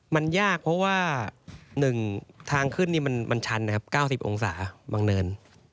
มันยากเพราะว่า๑ทางขึ้นนี่มันชันนะครับ๙๐องศาบางเนิน